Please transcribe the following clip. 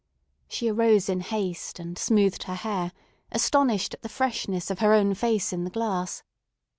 She arose in haste and smoothed her hair, astonished at the freshness of her own face in the glass.